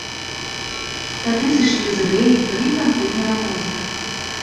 Тады сышлі з рэек тры кантэйнеравозы.